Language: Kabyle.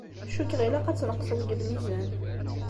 Cukkeɣ ilaq ad tneqseḍ deg lmizan.